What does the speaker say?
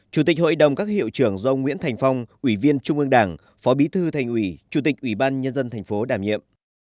chủ tịch hội đồng các hiệu trưởng do nguyễn thành phong ủy viên trung ương đảng phó bí thư thành ủy chủ tịch ủy ban nhân dân thành phố đảm nhiệm